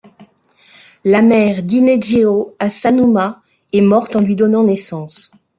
La mère d'Inejirō Asanuma est morte en lui donnant naissance.